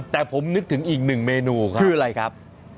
แต่ผมนึกถึงอีกหนึ่งเมนูครับคืออะไรครับ